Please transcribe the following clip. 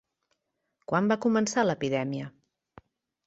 Quan va començar l'epidèmia?